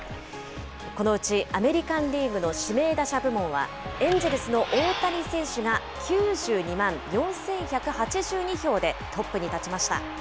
このうち、アメリカンリーグの指名打者部門は、エンジェルスの大谷選手が９２万４１８２票でトップに立ちました。